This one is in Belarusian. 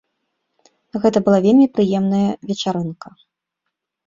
Гэта была вельмі прыемная вечарынка.